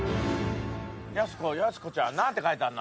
やす子ちゃん何て書いてあんの？